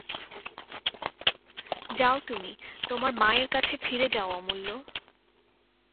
যাও তুমি, তোমার মায়ের কাছে ফিরে যাও অমূল্য।